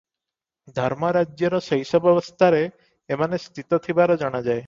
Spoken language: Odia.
ଧର୍ମରାଜ୍ୟର ଶୈଶବାବସ୍ଥାରେ ଏମାନେ ସ୍ଥିତ ଥିବାର ଜଣାଯାଏ ।